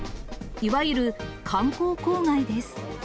いわゆる観光公害です。